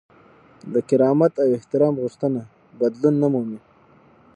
د کرامت او احترام غوښتنه بدلون نه مومي.